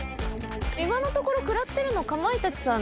今のところ食らってるのかまいたちさんだけですか？